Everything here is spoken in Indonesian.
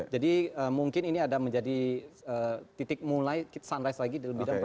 jadi mungkin ini ada menjadi titik mulai kita sunrise lagi di bidang properti